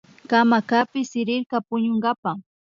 Hamacapi sirirka puñunkapa